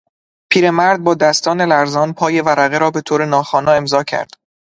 پیرمرد با دستان لرزان پای ورقه را به طور ناخوانا امضا کرد.